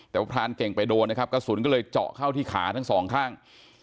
แต่ว่าพรานเก่งไปโดนนะครับกระสุนก็เลยเจาะเข้าที่ขาทั้งสองข้าง